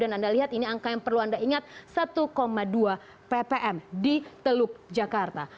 dan anda lihat ini angka yang perlu anda ingat satu dua ppm di teluk jakarta